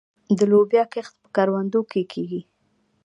د لوبیا کښت په کروندو کې کیږي.